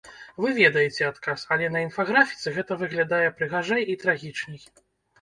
Вы ведаеце адказ, але на інфаграфіцы гэта выглядае прыгажэй і трагічней.